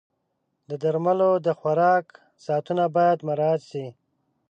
د درملو د خوراک ساعتونه باید مراعت شي.